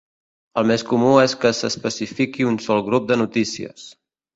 El més comú és que s'especifiqui un sol grup de notícies.